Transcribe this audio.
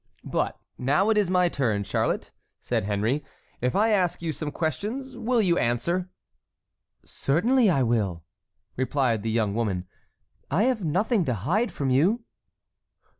"But now it is my turn, Charlotte," said Henry. "If I ask you some questions, will you answer?" "Certainly I will," replied the young woman, "I have nothing to hide from you."